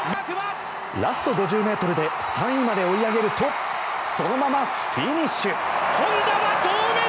ラスト５０ｍで３位まで追い上げるとそのままフィニッシュ。